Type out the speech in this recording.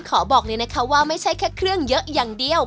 ขอบอกเลยนะคะว่าไม่ใช่แค่เครื่องเยอะอย่างเดียว